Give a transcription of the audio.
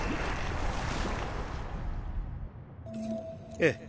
ええ。